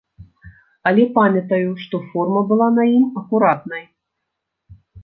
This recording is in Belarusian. Але памятаю, што форма была на ім акуратнай.